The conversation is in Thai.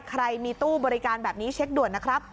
ใครมีตู้บริการแบบนี้เช็คด่วนนะครับ